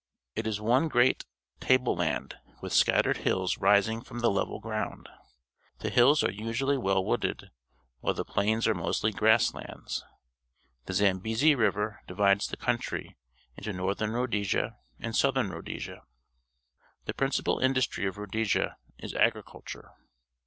It is one great table land, with scattered hills rising from the level ground. The hills are usually well wooded, while the plains are mostly grass lands. The Zambezi River divides the country into Xorthern Rhodesia and Southern Rhodesia. The principal industry of Rhodesia is agriculture.